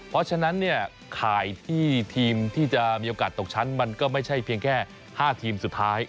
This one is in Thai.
เพราะฉะนั้นเนี่ยข่ายที่ทีมที่จะมีโอกาสตกชั้นมันก็ไม่ใช่เพียงแค่๕ทีมสุดท้าย